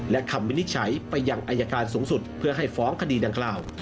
และคำวินิจฉัยไปยังอายการสูงสุดเพื่อให้ฟ้องคดีดังกล่าว